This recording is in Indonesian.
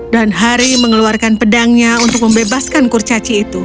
dan harry mengeluarkan pedangnya untuk membebaskan kurcaci itu